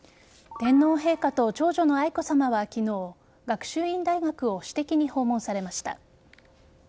天皇陛下と長女の愛子さまは昨日学習院大学を私的に訪問されました。